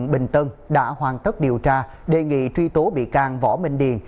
bình tân đã hoàn tất điều tra đề nghị truy tố bị can võ minh điền